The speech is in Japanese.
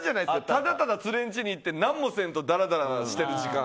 ただただ、連れの家に行って何もせんとだらだらしてる時間。